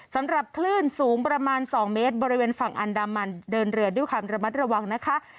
สำหรับคลื่นสูงประมาณ๒เมตรบริเวณฝั่งอันดามันเดินเรือด้วยความระมัดระวังนะคะ